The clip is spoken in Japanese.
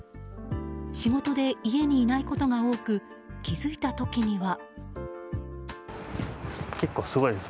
仕事で家にいないことが多く気づいた時には。